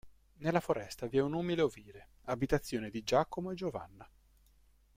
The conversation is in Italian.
Nella foresta vi è un umile ovile, abitazione di Giacomo e Giovanna.